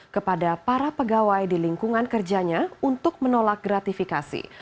kepada para pegawai di lingkungan kerjanya untuk menolak gratifikasi